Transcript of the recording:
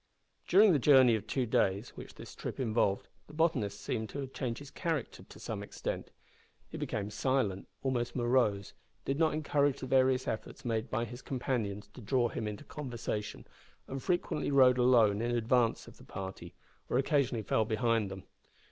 During the journey of two days, which this trip involved, the botanist seemed to change his character to some extent. He became silent almost morose; did not encourage the various efforts made by his companions to draw him into conversation, and frequently rode alone in advance of the party, or occasionally fell behind them.